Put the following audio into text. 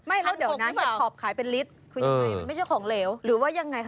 ไม่แล้วเดี๋ยวนะเห็ดถอบขายเป็นลิตรคือยังไงมันไม่ใช่ของเหลวหรือว่ายังไงคะ